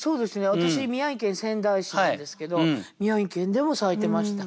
私宮城県仙台市なんですけど宮城県でも咲いてましたから。